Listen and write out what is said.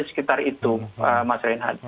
sekitar itu mas reinhardt